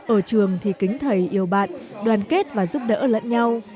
ở trường thì kính thầy yêu bạn đoàn kết và giúp đỡ lẫn nhau